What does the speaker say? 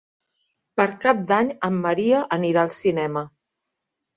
Per Cap d'Any en Maria anirà al cinema.